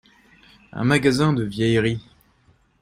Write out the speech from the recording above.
un magazin de vieilleries.